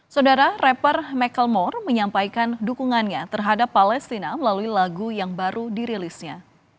saudara rapper michaelmore menyampaikan dukungannya terhadap palestina melalui lagu yang baru dirilisnya